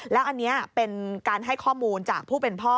แล้วอันนี้เป็นการให้ข้อมูลจากผู้เป็นพ่อ